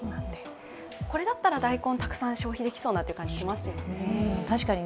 これだったら大根をたくさん消費できそうな感じがしますよね。